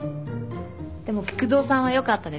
でも菊蔵さんはよかったですね。